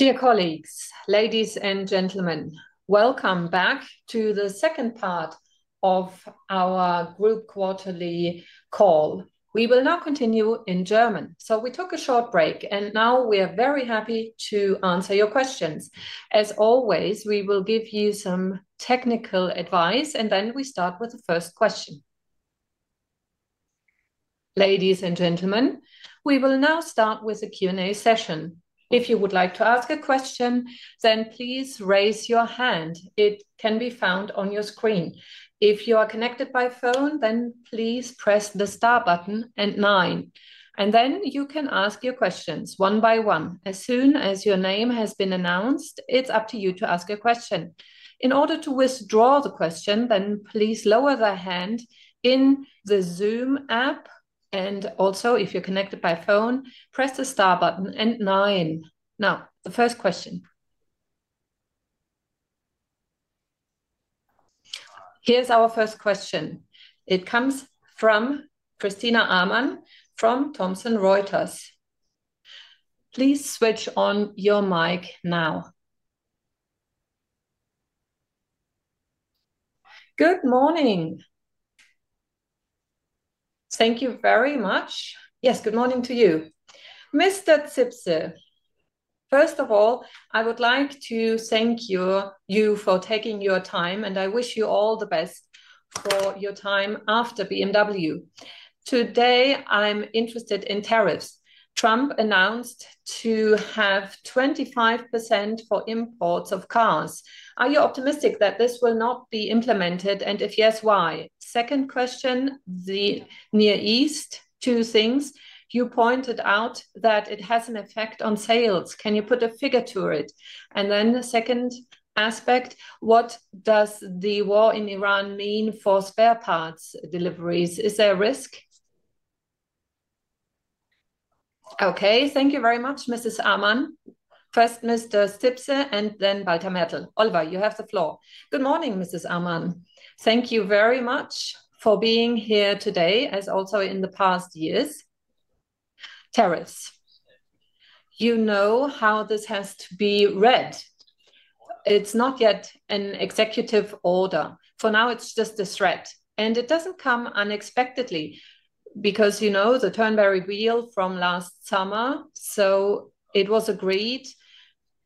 Dear colleagues, ladies and gentlemen, welcome back to the second part of our group quarterly call. We will now continue in German. We took a short break. Now we are very happy to answer your questions. As always, we will give you some technical advice. Then we start with the first question. Ladies and gentlemen, we will now start with a Q&A session. If you would like to ask a question, please raise your hand. It can be found on your screen. If you are connected by phone, please press the star button and nine. You can ask your questions one by one. As soon as your name has been announced, it's up to you to ask your question. In order to withdraw the question, then please lower the hand in the Zoom app and also, if you're connected by phone, press the star button and nine. The first question. Here's our first question. It comes from Christina Amann from Thomson Reuters. Please switch on your mic now. Good morning. Thank you very much. Yes, good morning to you. Mr. Zipse, first of all, I would like to thank you for taking your time, and I wish you all the best for your time after BMW. Today, I'm interested in tariffs. Trump announced to have 25% for imports of cars. Are you optimistic that this will not be implemented and, if yes, why? Second question, the Near East, two things. You pointed out that it has an effect on sales. Can you put a figure to it? The second aspect, what does the war in Iran mean for spare parts deliveries? Is there a risk? Thank you very much, Mrs. Amann. First, Mr. Zipse and then Walter Mertl. Oliver, you have the floor. Good morning, Mrs. Amann. Thank you very much for being here today, as also in the past years. Tariffs. You know how this has to be read. It's not yet an executive order. For now, it's just a threat, it doesn't come unexpectedly because you know the Turnberry [Agreement] from last summer. It was agreed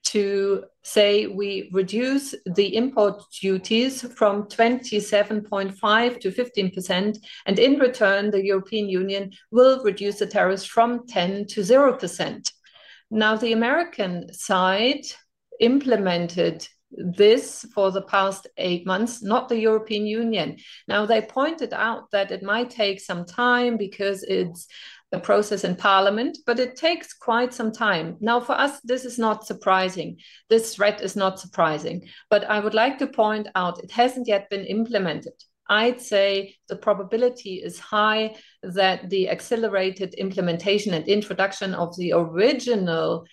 to say we reduce the import duties from 27.5% to 15%, and in return, the European Union will reduce the tariffs from 10% to 0%. The American side implemented this for the past 8 months, not the European Union. They pointed out that it might take some time because it's a process in parliament, but it takes quite some time. For us, this is not surprising. This threat is not surprising. I would like to point out it hasn't yet been implemented. I'd say the probability is high that the accelerated implementation and introduction of the original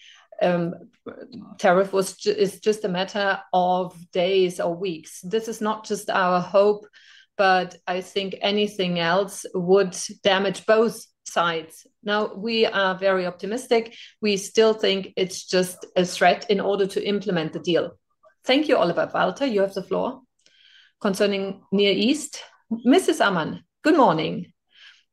tariff is just a matter of days or weeks. This is not just our hope, but I think anything else would damage both sides. We are very optimistic. We still think it's just a threat in order to implement the deal. Thank you, Oliver. Walter, you have the floor. Concerning Near East, Mrs. Amann, good morning.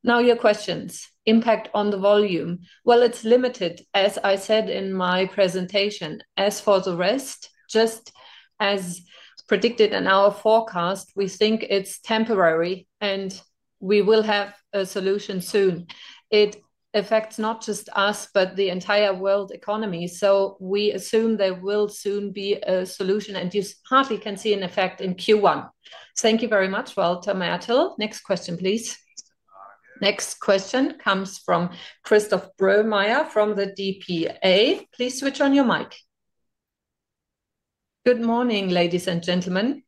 Your questions. Impact on the volume. It's limited, as I said in my presentation. As for the rest, just as predicted in our forecast, we think it's temporary, and we will have a solution soon. It affects not just us, but the entire world economy, so we assume there will soon be a solution, and you hardly can see an effect in Q1. Thank you very much, Walter Mertl. Next question please. Next question comes from Christof Rührmair from the dpa. Please switch on your mic. Good morning, ladies and gentlemen.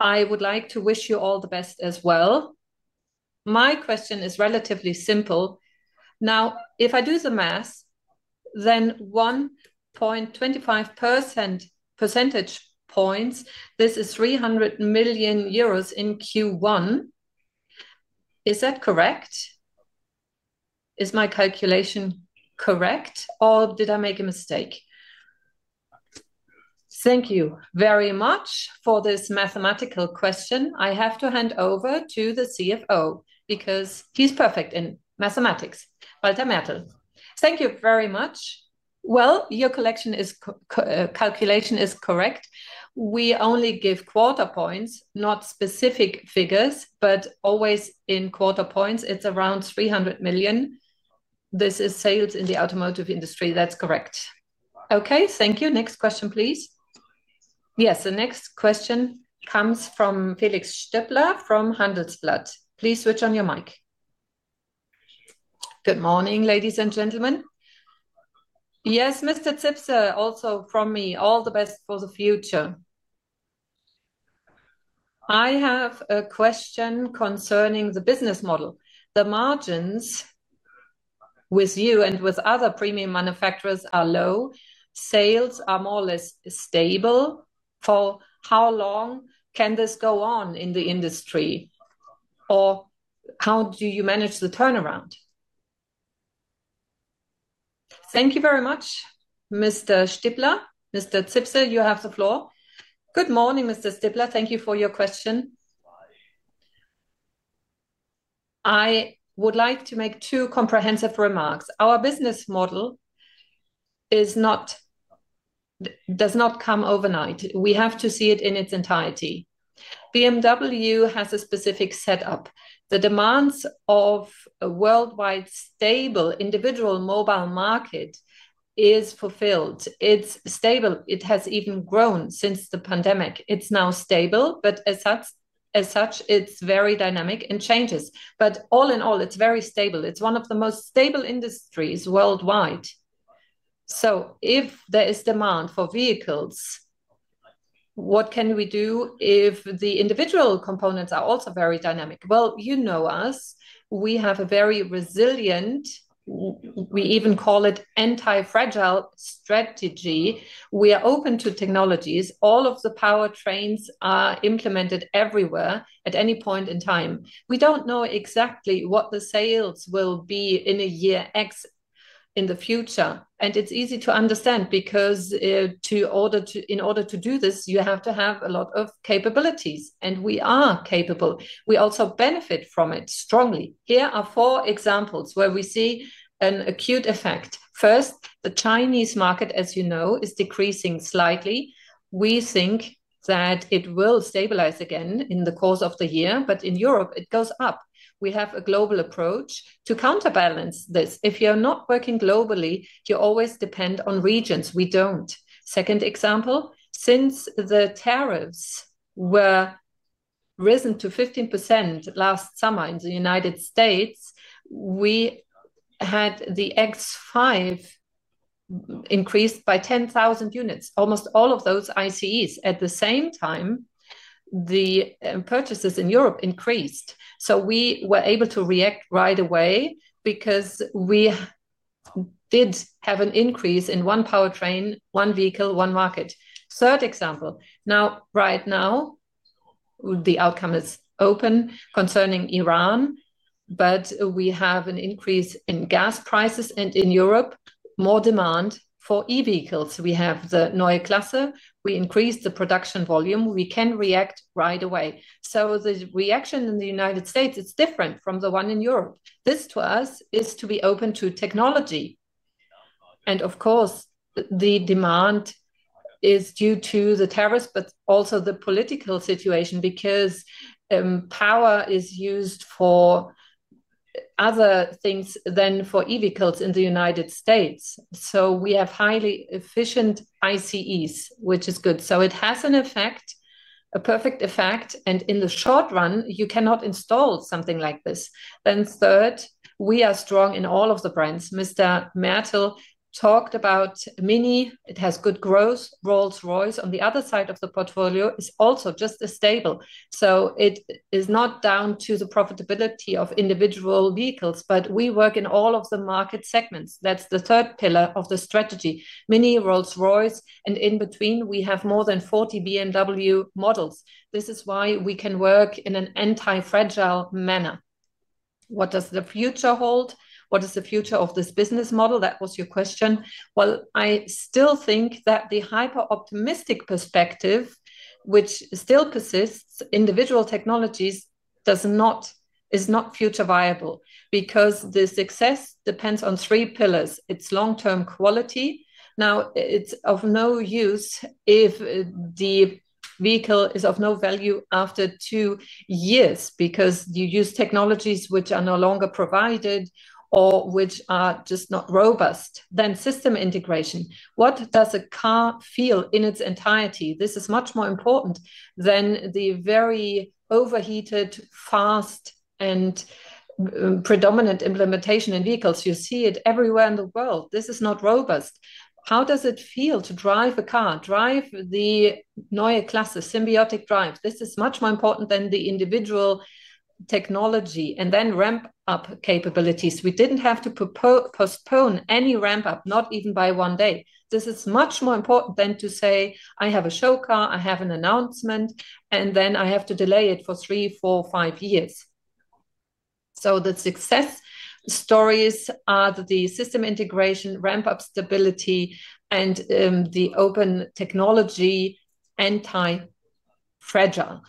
I would like to wish you all the best as well. My question is relatively simple. Now, if I do the math, then 1.25 percentage points, this is 300 million euros in Q1. Is that correct? Is my calculation correct, or did I make a mistake? Thank you very much for this mathematical question. I have to hand over to the CFO because he's perfect in mathematics. Walter Mertl. Thank you very much. Well, your calculation is correct. We only give quarter points, not specific figures, but always in quarter points. It's around 300 million. This is sales in the automotive industry? That's correct. Okay, thank you. Next question, please. Yes, the next question comes from Felix Stippler from Handelsblatt. Please switch on your mic. Good morning, ladies and gentlemen. Yes, Mr. Zipse, also from me, all the best for the future. I have a question concerning the business model. The margins with you and with other premium manufacturers are low. Sales are more or less stable. For how long can this go on in the industry? How do you manage the turnaround? Thank you very much, Mr. Stippler. Mr. Zipse, you have the floor. Good morning, Mr. Stippler, thank you for your question. I would like to make two comprehensive remarks. Our business model does not come overnight. We have to see it in its entirety. BMW has a specific setup. The demands of a worldwide stable individual mobile market is fulfilled. It's stable. It has even grown since the pandemic. It's now stable, but as such, as such, it's very dynamic and changes. All in all, it's very stable. It's one of the most stable industries worldwide. If there is demand for vehicles, what can we do if the individual components are also very dynamic? You know us, we have a very resilient, we even call it antifragile strategy. We are open to technologies. All of the powertrains are implemented everywhere at any point in time. We don't know exactly what the sales will be in a year X in the future. It's easy to understand because, in order to do this, you have to have a lot of capabilities, and we are capable. We also benefit from it strongly. Here are four examples where we see an acute effect. First, the Chinese market, as you know, is decreasing slightly. We think that it will stabilize again in the course of the year. In Europe, it goes up. We have a global approach to counterbalance this. If you're not working globally, you always depend on regions; we don't. Second example, since the tariffs were risen to 15% last summer in the United States, we had the X5 increased by 10,000 units, almost all of those ICEs. At the same time, the purchases in Europe increased, we were able to react right away because we did have an increase in one powertrain, one vehicle, one market. Third example. Right now, the outcome is open concerning Iran, we have an increase in gas prices, and in Europe, more demand for e-vehicles. We have the Neue Klasse. We increased the production volume. We can react right away. The reaction in the United States, it's different from the one in Europe. This, to us, is to be open to technology. Of course, the demand is due to the tariffs, but also the political situation because power is used for other things than for e-vehicles in the United States. We have highly efficient ICEs, which is good. It has an effect, a perfect effect, in the short run, you cannot install something like this. Third, we are strong in all of the brands. Mr. Mertl talked about MINI. It has good growth. Rolls-Royce, on the other side of the portfolio, is also just as stable. It is not down to the profitability of individual vehicles. We work in all of the market segments. That's the third pillar of the strategy. MINI, Rolls-Royce, and in between, we have more than 40 BMW models. This is why we can work in an antifragile manner. What does the future hold? What is the future of this business model? That was your question. Well, I still think that the hyper-optimistic perspective, which still persists individual technologies, is not future viable because the success depends on three pillars. It's long-term quality. Now, it's of no use if the vehicle is of no value after two years because you use technologies which are no longer provided or which are just not robust. System integration. What does a car feel in its entirety? This is much more important than the very overheated, fast, and predominant implementation in vehicles. You see it everywhere in the world. This is not robust. How does it feel to drive a car, drive the Neue Klasse, Symbiotic Drive? This is much more important than the individual technology. Then ramp-up capabilities. We didn't have to postpone any ramp-up, not even by one day. This is much more important than to say, "I have a show car, I have an announcement, and then I have to delay it for three, four, five years." The success stories are the system integration, ramp-up stability, and the open technology antifragile.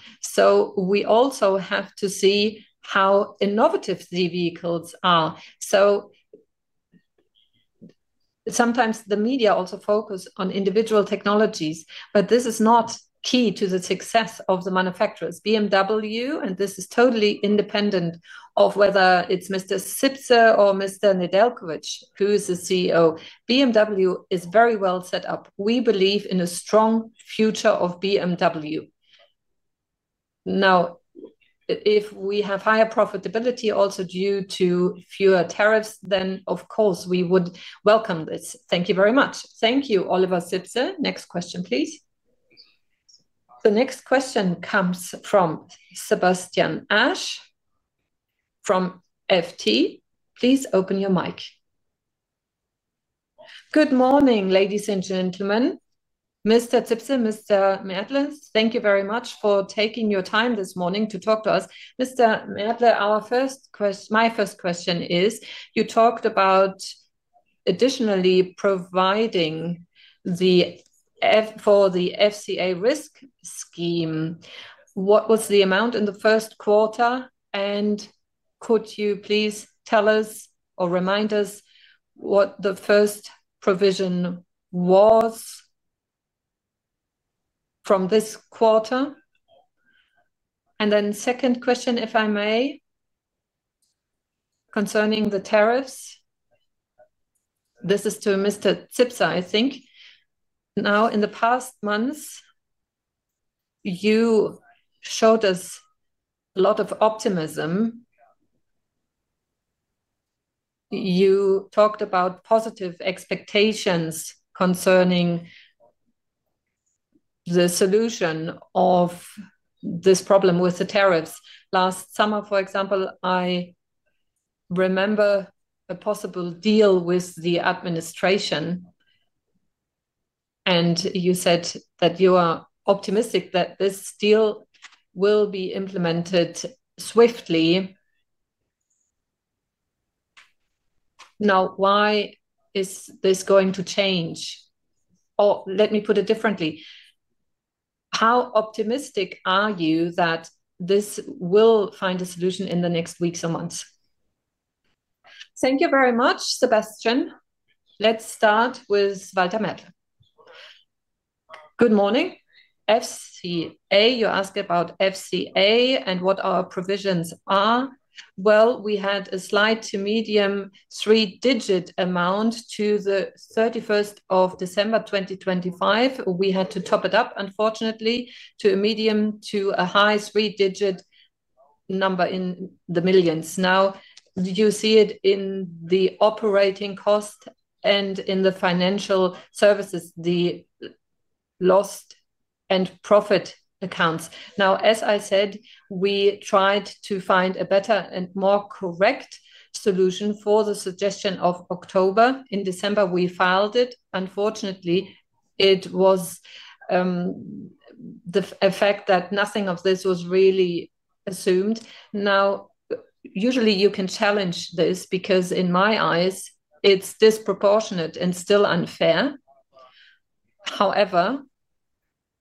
We also have to see how innovative the vehicles are. Sometimes the media also focus on individual technologies, but this is not key to the success of the manufacturers. BMW, this is totally independent of whether it's Mr. Zipse or Mr. Nedeljkovic who is the CEO, BMW is very well set up. We believe in a strong future of BMW. If we have higher profitability also due to fewer tariffs, then of course we would welcome this. Thank you very much. Thank you, Oliver Zipse. Next question, please. The next question comes from Sebastien Ash from FT. Please open your mic. Good morning, ladies and gentlemen. Mr. Zipse, Mr. Mertl, thank you very much for taking your time this morning to talk to us. Mr. Mertl, my first question is, you talked about additionally providing for the FCA risk scheme. What was the amount in the first quarter, could you please tell us or remind us what the first provision was from this quarter? Second question, if I may, concerning the tariffs. This is to Mr. Zipse, I think. In the past months, you showed us a lot of optimism. You talked about positive expectations concerning the solution of this problem with the tariffs. Last summer, for example, I remember a possible deal with the administration, and you said that you are optimistic that this deal will be implemented swiftly. Why is this going to change? Let me put it differently. How optimistic are you that this will find a solution in the next weeks or months? Thank you very much, Sebastien. Let's start with Walter Mertl. Good morning. FCA, you ask about FCA and what our provisions are. Well, we had a slight to medium three-digit amount to the December 31st, 2025. We had to top it up, unfortunately, to a medium to a high three-digit number in the millions. You see it in the operating cost and in the financial services, the lost and profit accounts. As I said, we tried to find a better and more correct solution for the suggestion of October. In December, we filed it. Unfortunately, it was the effect that nothing of this was really assumed. Usually you can challenge this because, in my eyes, it's disproportionate and still unfair.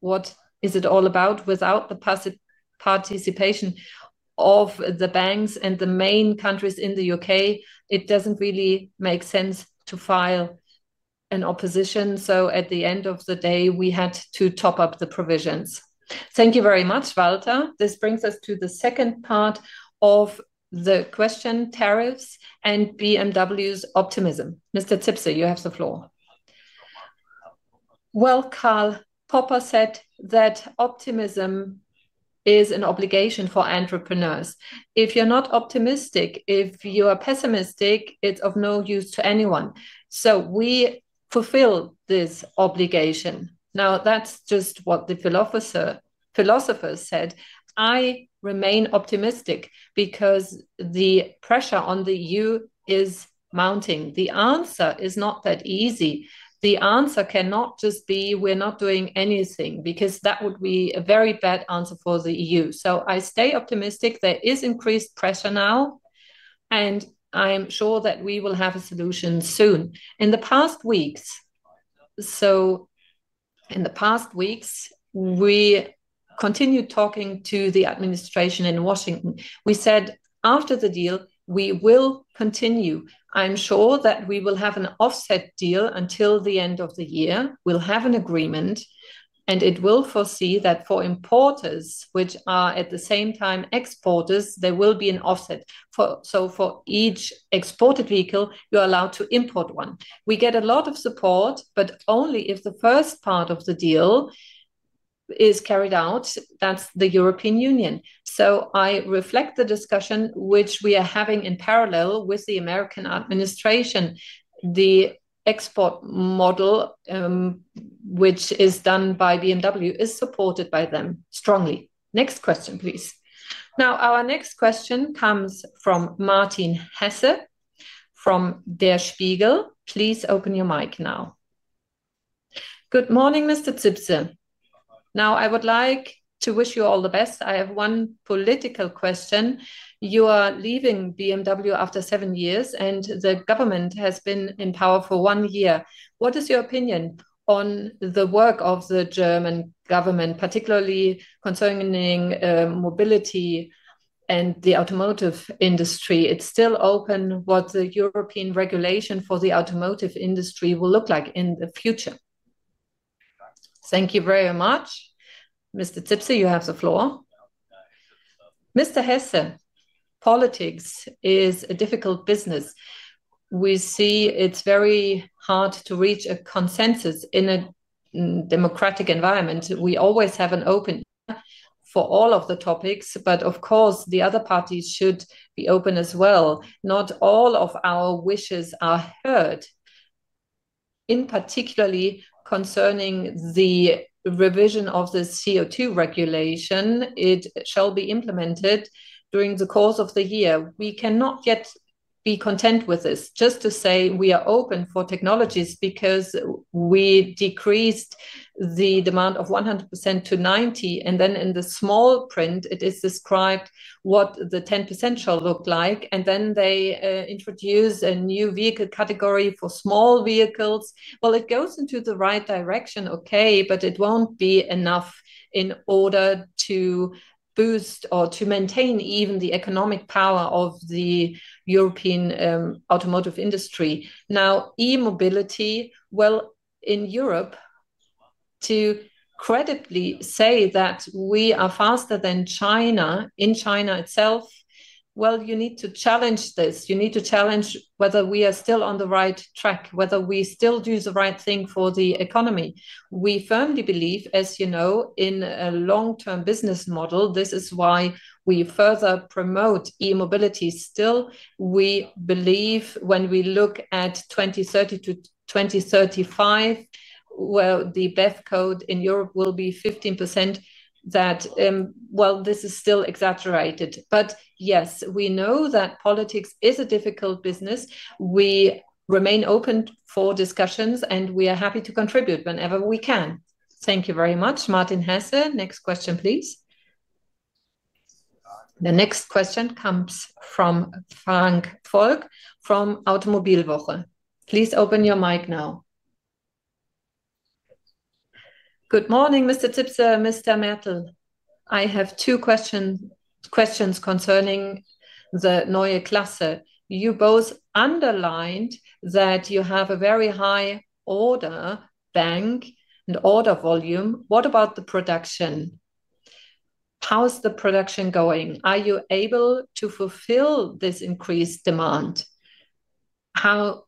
What is it all about? Without the participation of the banks and the main countries in the U.K., it doesn't really make sense to file an opposition. At the end of the day, we had to top up the provisions. Thank you very much, Walter. This brings us to the second part of the question, tariffs and BMW's optimism. Mr. Zipse, you have the floor. Well, Karl Popper said that optimism is an obligation for entrepreneurs. If you're not optimistic, if you are pessimistic, it's of no use to anyone, so we fulfill this obligation. That's just what the philosopher said. I remain optimistic because the pressure on the EU is mounting. The answer is not that easy. The answer cannot just be, "We're not doing anything," because that would be a very bad answer for the EU. I stay optimistic. There is increased pressure now, and I am sure that we will have a solution soon. In the past weeks, we continued talking to the administration in Washington. We said after the deal, we will continue. I'm sure that we will have an offset deal until the end of the year. We'll have an agreement, and it will foresee that for importers, which are at the same time exporters, there will be an offset. For each exported vehicle, you're allowed to import one. We get a lot of support, only if the first part of the deal is carried out. That's the European Union. I reflect the discussion which we are having in parallel with the American administration. The export model, which is done by BMW is supported by them strongly. Next question, please. Our next question comes from Martin Hesse from DER SPIEGEL. Please open your mic now. Good morning, Mr. Zipse. I would like to wish you all the best. I have one political question. You are leaving BMW after seven years, and the government has been in power for one year. What is your opinion on the work of the German government, particularly concerning mobility and the automotive industry? It's still open what the European regulation for the automotive industry will look like in the future. Thank you very much. Mr. Zipse, you have the floor. Mr. Hesse, politics is a difficult business. We see it's very hard to reach a consensus in a democratic environment. We always have an open door for all of the topics, but of course the other parties should be open as well. Not all of our wishes are heard. In particular concerning the revision of the CO2 regulation, it shall be implemented during the course of the year. We cannot yet be content with this. Just to say we are open for technologies because we decreased the demand of 100% to 90%, and then in the small print it is described what the 10% shall look like, and then they introduce a new vehicle category for small vehicles. It goes into the right direction, okay, but it won't be enough in order to boost or to maintain even the economic power of the European automotive industry. E-mobility, in Europe to credibly say that we are faster than China in China itself, you need to challenge this. You need to challenge whether we are still on the right track, whether we still do the right thing for the economy. We firmly believe, as you know, in a long-term business model. This is why we further promote e-mobility still. We believe when we look at 2030 to 2035, where the BEV code in Europe will be 15%, that, well, this is still exaggerated. Yes, we know that politics is a difficult business. We remain open for discussions, and we are happy to contribute whenever we can. Thank you very much. Martin Hesse, next question, please. The next question comes from Frank Volk from Automobilwoche. Please open your mic now. Good morning, Mr. Zipse, Mr. Mertl. I have two questions concerning the Neue Klasse. You both underlined that you have a very high order bank and order volume. What about the production? How is the production going? Are you able to fulfill this increased demand? How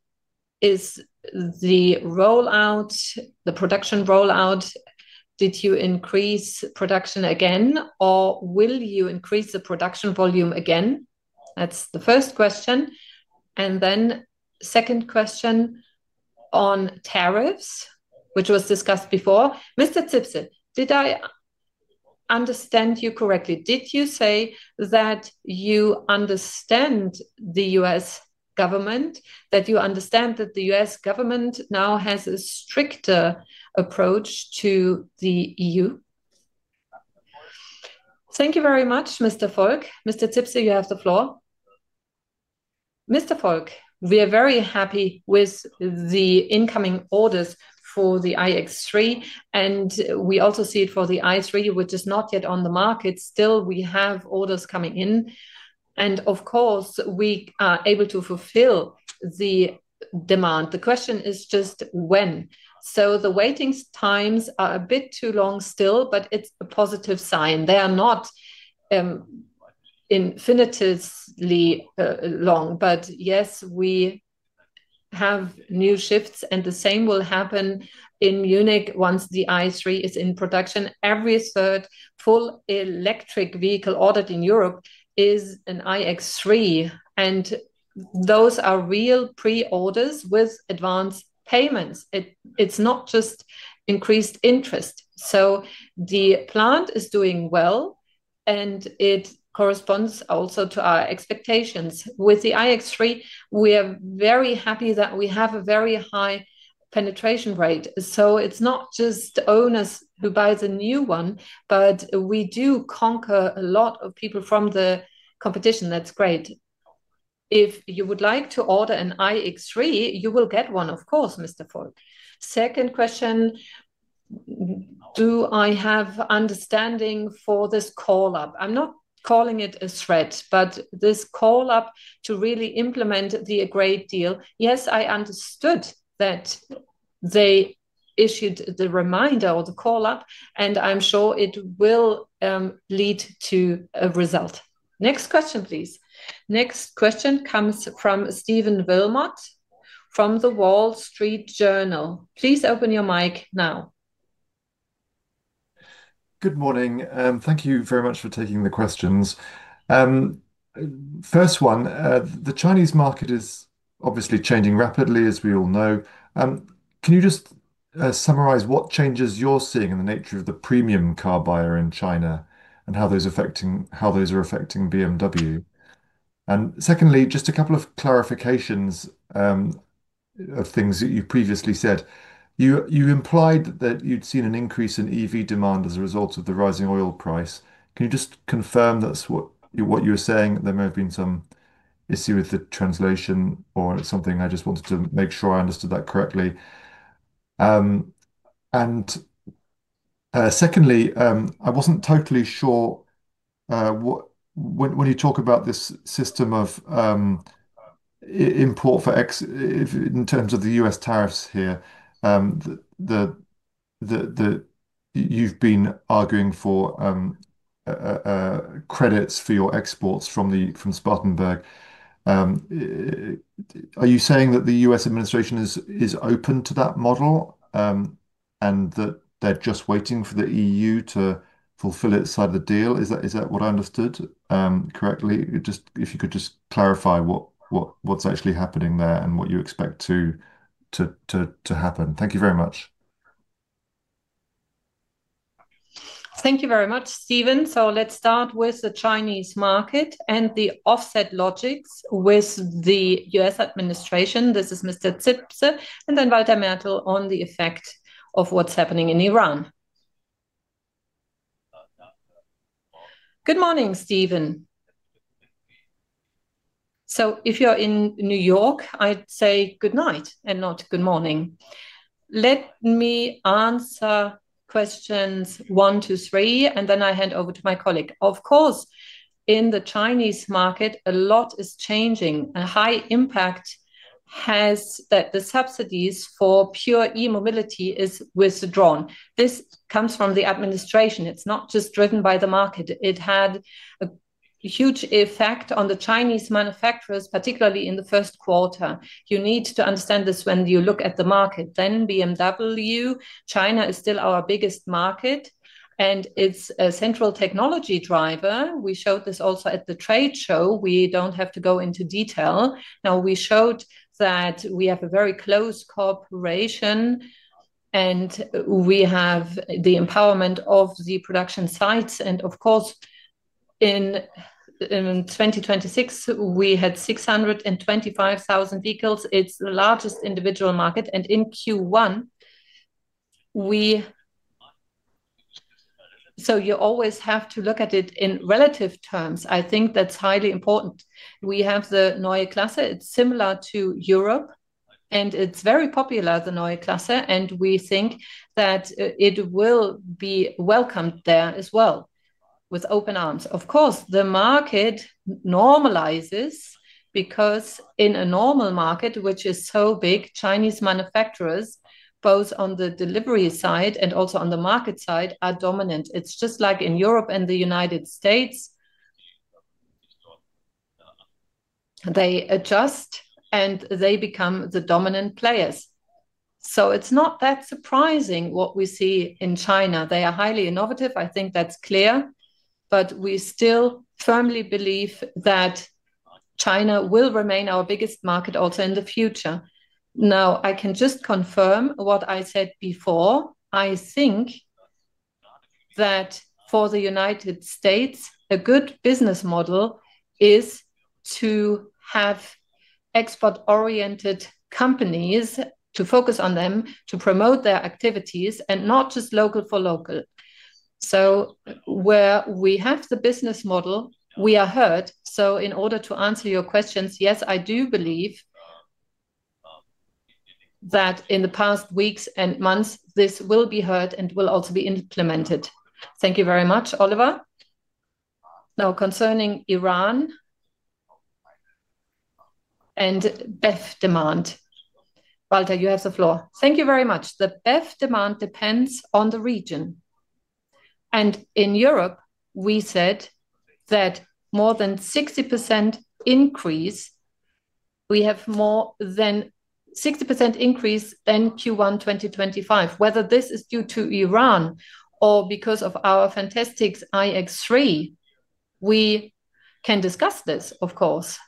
is the rollout, the production rollout, did you increase production again, or will you increase the production volume again? That is the first question. Second question on tariffs, which was discussed before. Mr. Zipse, did I understand you correctly? Did you say that you understand the U.S. government, that you understand that the U.S. government now has a stricter approach to the EU? Thank you very much, Mr. Volk. Mr. Zipse, you have the floor. Mr. Volk, we are very happy with the incoming orders for the iX3, and we also see it for the i3, which is not yet on the market. Still, we have orders coming in. Of course, we are able to fulfill the demand. The question is just when. The waiting times are a bit too long still, but it's a positive sign. They are not infinitely long. Yes, we have new shifts, and the same will happen in Munich once the i3 is in production. Every third full electric vehicle ordered in Europe is an iX3, and those are real pre-orders with advance payments. It's not just increased interest. The plant is doing well, and it corresponds also to our expectations. With the iX3, we are very happy that we have a very high penetration rate. It's not just owners who buys a new one, but we do conquer a lot of people from the competition. That's great. If you would like to order an iX3, you will get one, of course, Mr. Volk. Second question, do I have understanding for this call-up? I'm not calling it a threat, but this call-up to really implement the agreed deal. Yes, I understood that they issued the reminder or the call-up, and I'm sure it will lead to a result. Next question, please. Next question comes from Stephen Wilmot from The Wall Street Journal. Please open your mic now. Good morning. Thank you very much for taking the questions. First one, the Chinese market is obviously changing rapidly, as we all know. Can you just summarize what changes you're seeing in the nature of the premium car buyer in China and how those are affecting BMW? Secondly, just a couple of clarifications of things that you previously said. You implied that you'd seen an increase in EV demand as a result of the rising oil price. Can you just confirm that's what you were saying? There may have been some issue with the translation or something. I just wanted to make sure I understood that correctly. Secondly, I wasn't totally sure when you talk about this system of import in terms of the U.S. tariffs here, you've been arguing for credits for your exports from Spartanburg. Are you saying that the U.S. administration is open to that model and that they're just waiting for the EU to fulfill its side of the deal? Is that what I understood correctly? Just if you could just clarify what's actually happening there and what you expect to happen. Thank you very much. Thank you very much, Stephen. Let's start with the Chinese market and the offset logics with the U.S. administration. This is Mr. Zipse, and then Walter Mertl on the effect of what's happening in Iran. Good morning, Stephen. If you're in New York, I'd say good night and not good morning. Let me answer questions one to three, and then I hand over to my colleague. Of course, in the Chinese market, a lot is changing. A high impact has that the subsidies for pure e-mobility is withdrawn. This comes from the administration. It's not just driven by the market. It had a huge effect on the Chinese manufacturers, particularly in the first quarter. You need to understand this when you look at the market. BMW, China is still our biggest market, and it's a central technology driver. We showed this also at the trade show. We don't have to go into detail. Now, we showed that we have a very close cooperation, and we have the empowerment of the production sites. Of course, in 2026, we had 625,000 vehicles. It's the largest individual market. In Q1, so you always have to look at it in relative terms. I think that's highly important. We have the Neue Klasse. It's similar to Europe, and it's very popular, the Neue Klasse, and we think that it will be welcomed there as well with open arms. Of course, the market normalizes because in a normal market, which is so big, Chinese manufacturers, both on the delivery side and also on the market side, are dominant. It's just like in Europe and the United States. They adjust, and they become the dominant players. It's not that surprising what we see in China. They are highly innovative. I think that's clear. We still firmly believe that China will remain our biggest market also in the future. I can just confirm what I said before. I think that for the United States, a good business model is to have export-oriented companies to focus on them, to promote their activities, and not just local for local. Where we have the business model, we are heard. In order to answer your questions, yes, I do believe that in the past weeks and months, this will be heard and will also be implemented. Thank you very much, Oliver. Concerning Iran and BEV demand. Walter, you have the floor. Thank you very much. The BEV demand depends on the region. In Europe, we said that more than 60% increase, we have more than 60% increase than Q1 2025. Whether this is due to Iran or because of our fantastic iX3, we can discuss this, of course.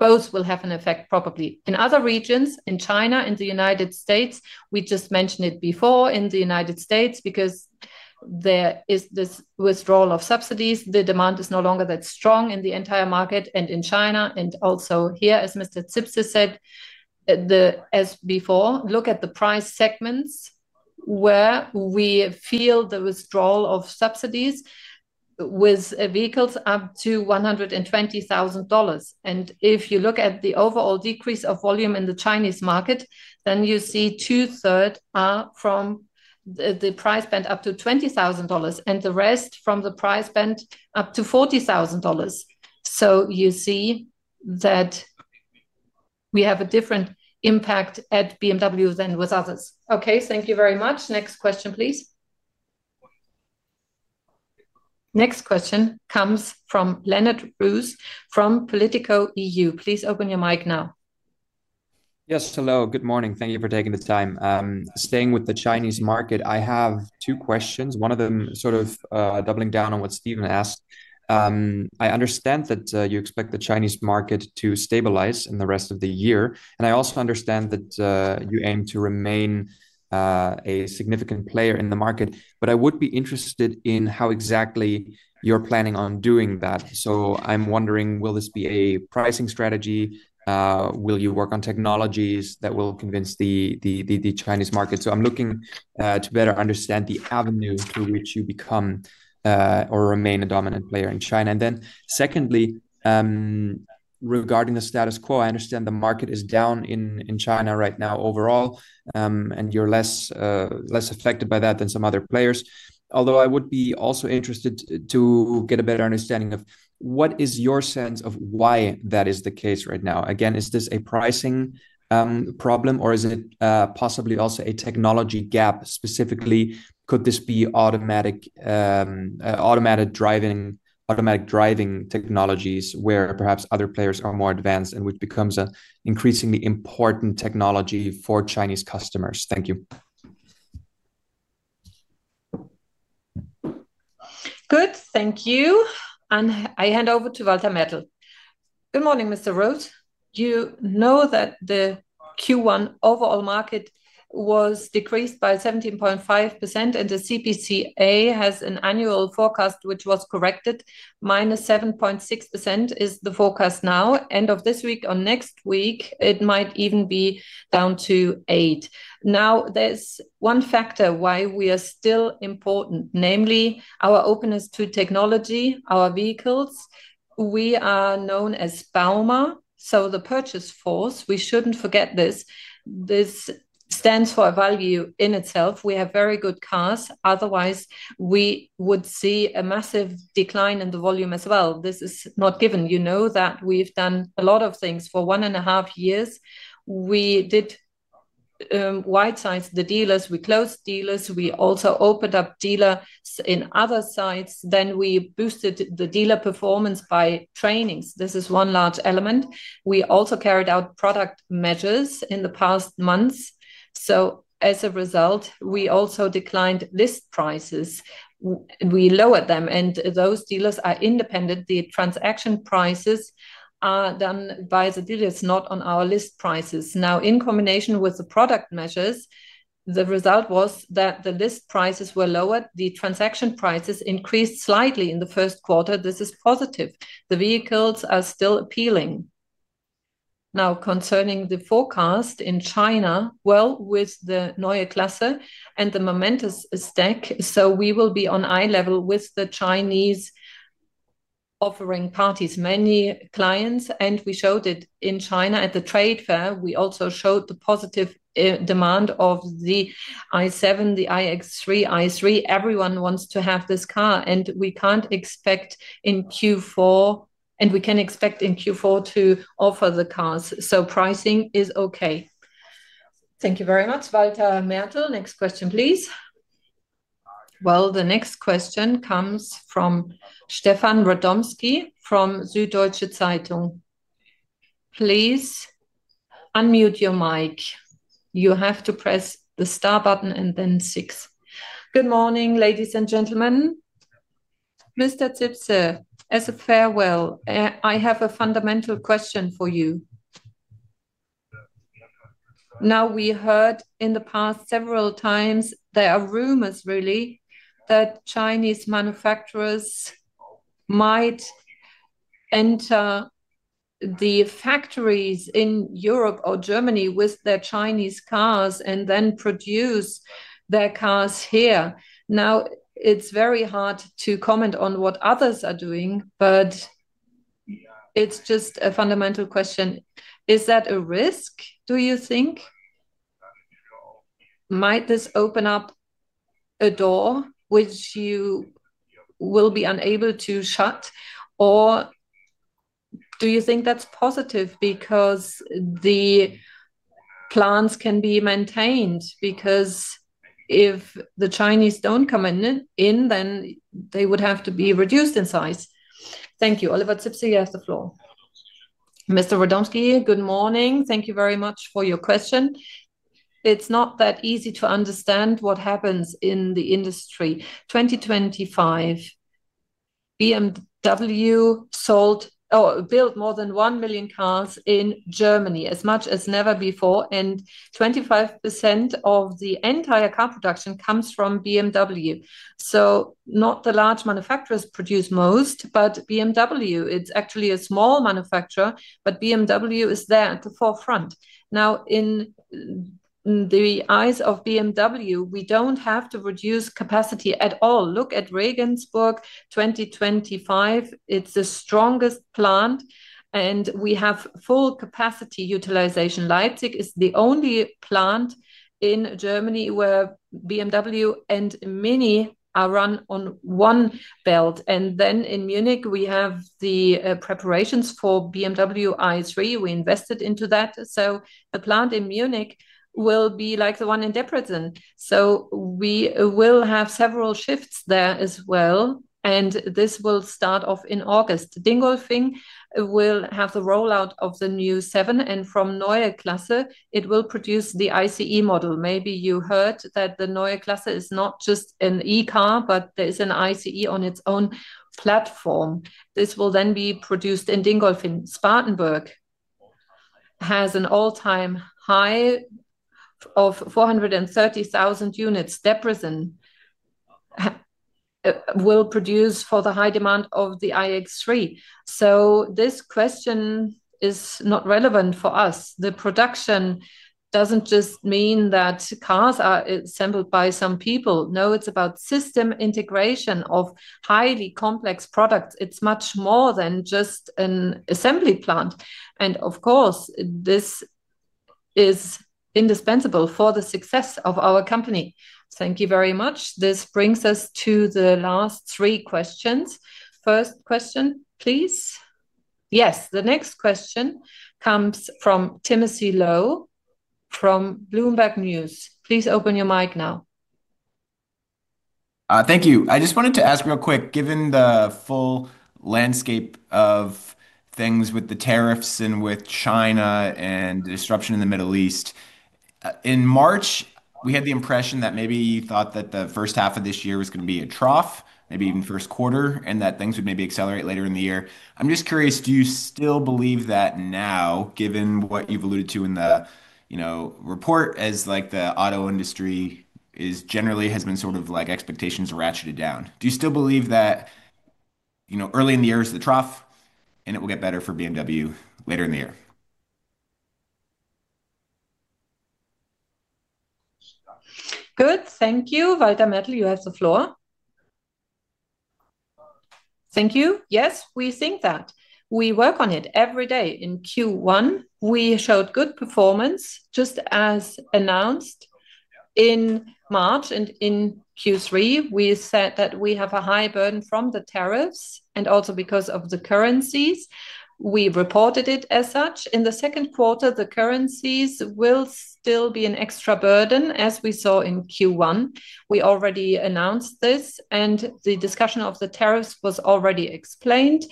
Both will have an effect probably. In other regions, in China, in the U.S., we just mentioned it before in the U.S., because there is this withdrawal of subsidies, the demand is no longer that strong in the entire market and in China. Also here, as Mr. Zipse said, as before, look at the price segments where we feel the withdrawal of subsidies with vehicles up to $120,000. If you look at the overall decrease of volume in the Chinese market, then you see two-third are from the price band up to $20,000, and the rest from the price band up to $40,000. You see that we have a different impact at BMW than with others. Okay. Thank you very much. Next question, please. Next question comes from Lennart Roos from POLITICO EU. Please open your mic now. Yes. Hello. Good morning. Thank you for taking the time. Staying with the Chinese market, I have two questions. One of them sort of doubling down on what Stephen asked. I understand that you expect the Chinese market to stabilize in the rest of the year, and I also understand that you aim to remain a significant player in the market. I would be interested in how exactly you're planning on doing that. I'm wondering, will this be a pricing strategy? Will you work on technologies that will convince the Chinese market? I'm looking to better understand the avenue through which you become or remain a dominant player in China. Secondly, regarding the status quo, I understand the market is down in China right now overall, and you're less affected by that than some other players. Although I would be also interested to get a better understanding of what is your sense of why that is the case right now? Again, is this a pricing problem, or is it possibly also a technology gap specifically? Could this be automatic driving technologies where perhaps other players are more advanced and which becomes an increasingly important technology for Chinese customers? Thank you. Good. Thank you. I hand over to Walter Mertl. Good morning, Mr. Roos. Do you know that the Q1 overall market was decreased by 17.5%, and the CPCA has an annual forecast which was corrected, -7.6% is the forecast now. End of this week or next week, it might even be down to -8%. There's one factor why we are still important, namely our openness to technology, our vehicles. We are known as bauma, so the purchase force, we shouldn't forget this. This stands for a value in itself. We have very good cars, otherwise we would see a massive decline in the volume as well. This is not given. You know that we've done a lot of things for one and a half years. We did wide sides of the dealers. We closed dealers. We also opened up dealers in other sides. We boosted the dealer performance by trainings. This is one large element. We also carried out product measures in the past months. As a result, we also declined list prices. We lowered them, and those dealers are independent. The transaction prices are done by the dealers, not on our list prices. In combination with the product measures, the result was that the list prices were lowered. The transaction prices increased slightly in the first quarter. This is positive. The vehicles are still appealing. Concerning the forecast in China, with the Neue Klasse and the momentous stake, we will be on eye level with the Chinese offering parties many clients, and we showed it in China at the trade fair. We also showed the positive demand of the i7, the iX3, i3. Everyone wants to have this car. We can expect in Q4 to offer the cars. Pricing is okay. Thank you very much, Walter Mertl. Next question, please. The next question comes from Stephan Radomsky from Süddeutsche Zeitung. Please unmute your mic. You have to press the star button and then six. Good morning, ladies and gentlemen. Mr. Zipse, as a farewell, I have a fundamental question for you. We heard in the past several times there are rumors really that Chinese manufacturers might enter the factories in Europe or Germany with their Chinese cars and then produce their cars here. It's very hard to comment on what others are doing, but it's just a fundamental question. Is that a risk, do you think? Might this open up a door which you will be unable to shut, or do you think that's positive because the plans can be maintained? If the Chinese don't come in, then they would have to be reduced in size. Thank you. Oliver Zipse, you have the floor. Mr. Radomsky, good morning. Thank you very much for your question. It's not that easy to understand what happens in the industry. 2025, BMW built more than 1 million cars in Germany, as much as never before. 25% of the entire car production comes from BMW. Not the large manufacturers produce most, but BMW. It's actually a small manufacturer, but BMW is there at the forefront. In the eyes of BMW, we don't have to reduce capacity at all. Look at Regensburg, 2025, it's the strongest plant, and we have full capacity utilization. Leipzig is the only plant in Germany where BMW and MINI are run on one belt, and then in Munich, we have the preparations for BMW i3. We invested into that. The plant in Munich will be like the one in Debrecen. We will have several shifts there as well, and this will start off in August. Dingolfing will have the rollout of the new seven, and from Neue Klasse, it will produce the ICE model. Maybe you heard that the Neue Klasse is not just an e-car, but there is an ICE on its own platform. This will be produced in Dingolfing. Spartanburg has an all-time high of 430,000 units. Debrecen will produce for the high demand of the iX3. This question is not relevant for us. The production doesn't just mean that cars are assembled by some people. No, it's about system integration of highly complex products. It's much more than just an assembly plant. Of course, this is indispensable for the success of our company. Thank you very much. This brings us to the last three questions. First question, please. Yes, the next question comes from Timothy Loh from Bloomberg News. Please open your mic now. Thank you. I just wanted to ask real quick, given the full landscape of things with the tariffs and with China and disruption in the Middle East. In March, we had the impression that maybe you thought that the first half of this year was gonna be a trough, maybe even first quarter, and that things would maybe accelerate later in the year. I'm just curious, do you still believe that now given what you've alluded to in the, you know, report as, like, the auto industry is generally has been sort of, like, expectations ratcheted down? Do you still believe that, you know, early in the year is the trough and it will get better for BMW later in the year? Good. Thank you. Walter Mertl, you have the floor. Thank you. Yes, we think that. We work on it every day. In Q1, we showed good performance just as announced in March. In Q3, we said that we have a high burden from the tariffs and also because of the currencies. We reported it as such. In the second quarter, the currencies will still be an extra burden as we saw in Q1. We already announced this, the discussion of the tariffs was already explained.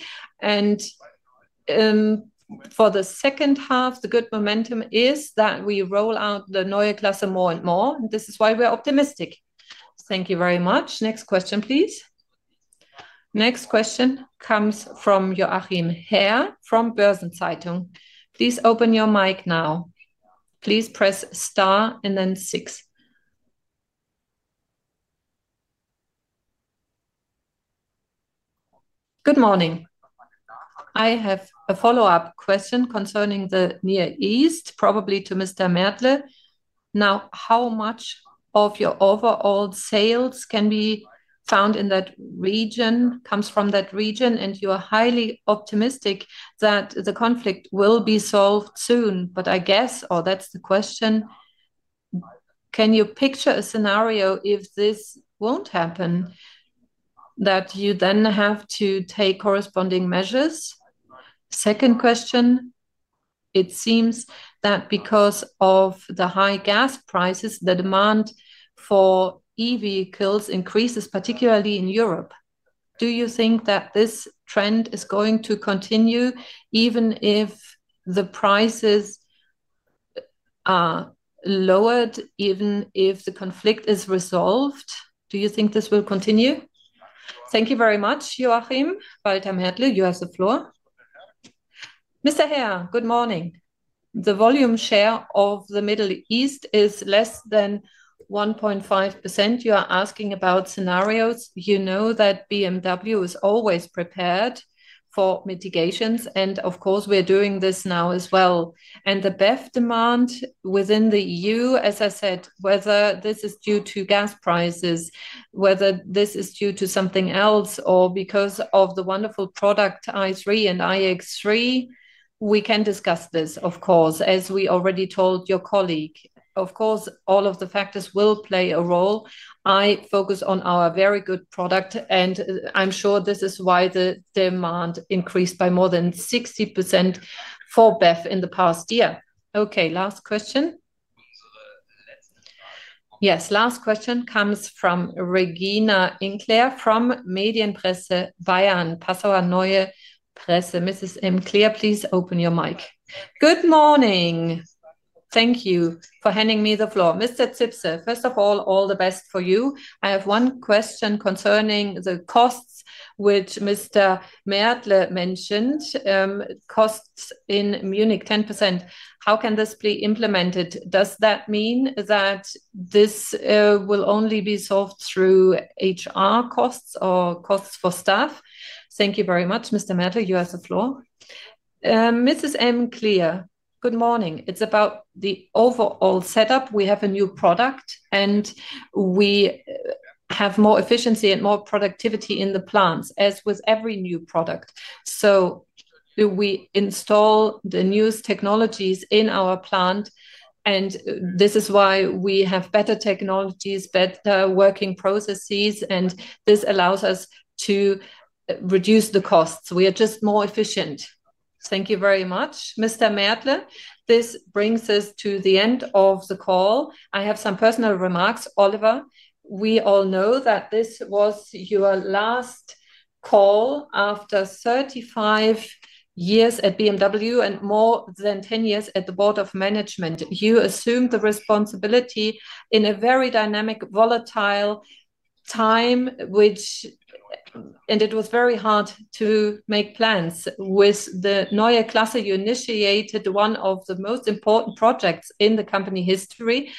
For the second half, the good momentum is that we roll out the Neue Klasse more and more. This is why we're optimistic. Thank you very much. Next question, please. Next question comes from Joachim Herr from Börsen-Zeitung. Please open your mic now. Please press star and then six. Good morning. I have a follow-up question concerning the Near East, probably to Mr. Mertl. How much of your overall sales can be found in that region, comes from that region? You are highly optimistic that the conflict will be solved soon. I guess, or that's the question, can you picture a scenario if this won't happen, that you then have to take corresponding measures? Second question, it seems that because of the high gas prices, the demand for EV [cars] increases, particularly in Europe. Do you think that this trend is going to continue even if the prices are lowered, even if the conflict is resolved? Do you think this will continue? Thank you very much, Joachim. Walter Mertl, you have the floor. Mr. Herr, good morning. The volume share of the Middle East is less than 1.5%. You are asking about scenarios. You know that BMW is always prepared for mitigations. Of course, we're doing this now as well. The BEV demand within the EU, as I said, whether this is due to gas prices, whether this is due to something else or because of the wonderful product i3 and iX3, we can discuss this, of course, as we already told your colleague. Of course, all of the factors will play a role. I focus on our very good product. I'm sure this is why the demand increased by more than 60% for BEV in the past year. Okay, last question. Yes, last question comes from Regina Ehm-Klier from [Mediengruppe] Bayern, Passauer Neue Presse. Mrs. Ehm-Klier, please open your mic. Good morning. Thank you for handing me the floor. Mr. Zipse, first of all the best for you. I have one question concerning the costs which Mr. Mertl mentioned, costs in Munich, 10%. How can this be implemented? Does that mean that this will only be solved through HR costs or costs for staff? Thank you very much. Mr. Mertl, you have the floor. Mrs. Ehm-Klier, good morning. It's about the overall setup. We have a new product, and we have more efficiency and more productivity in the plants, as with every new product. We install the newest technologies in our plant, and this is why we have better technologies, better working processes, and this allows us to reduce the costs. We are just more efficient. Thank you very much, Mr. Mertl. This brings us to the end of the call. I have some personal remarks. Oliver, we all know that this was your last call after 35 years at BMW and more than 10 years at the board of management. You assumed the responsibility in a very dynamic, volatile time. It was very hard to make plans. With the Neue Klasse, you initiated one of the most important projects in the company history.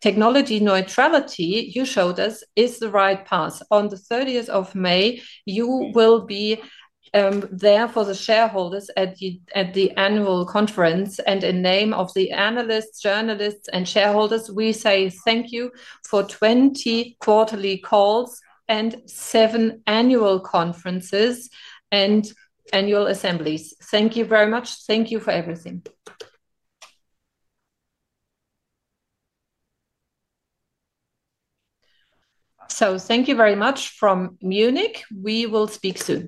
Technology neutrality, you showed us, is the right path. On the May 30th, you will be there for the shareholders at the annual conference. In name of the analysts, journalists, and shareholders, we say thank you for 20 quarterly calls and seven annual conferences and annual assemblies. Thank you very much. Thank you for everything. Thank you very much from Munich. We will speak soon.